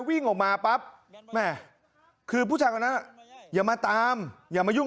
วิ่งออกมาปั๊บแม่คือผู้ชายคนนั้นอย่ามาตามอย่ามายุ่ง